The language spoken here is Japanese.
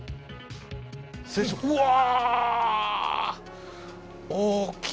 うわ。